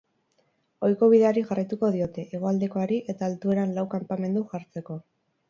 Ohiko bideari jarraituko diote, hegoaldekoari, eta altueran lau kanpamendu jartzeko.